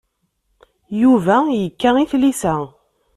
Yuba yekka i tlisa.